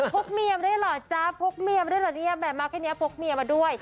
กเมียมาด้วยเหรอจ๊ะพกเมียมาด้วยเหรอเนี่ยแบบมาแค่นี้พกเมียมาด้วย